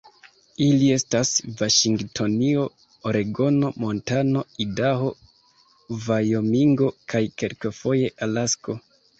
Ili estas Vaŝingtonio, Oregono, Montano, Idaho, Vajomingo kaj kelkfoje Alasko.